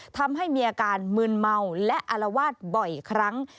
ทำให้มีอาการมืนเมาและอารวาสบ่อยครั้ง